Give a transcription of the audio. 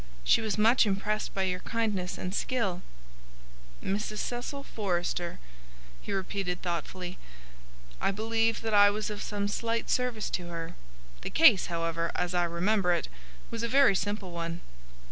She was much impressed by your kindness and skill." "Mrs. Cecil Forrester," he repeated thoughtfully. "I believe that I was of some slight service to her. The case, however, as I remember it, was a very simple one."